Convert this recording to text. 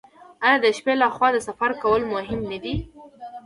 آیا د شپې لخوا د سفر کول کم نه وي؟